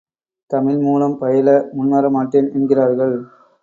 தமிழ் மூலம் பயில முன்வரமாட்டேன் என்கிறார்கள்.